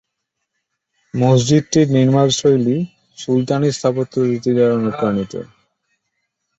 মসজিদটির নির্মাণ শৈলী সুলতানি স্থাপত্য রীতি দ্বারা অনুপ্রাণিত।